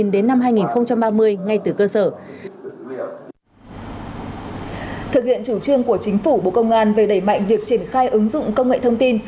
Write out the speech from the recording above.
thực hiện chủ trương của chính phủ bộ công an về đẩy mạnh việc triển khai ứng dụng công nghệ thông tin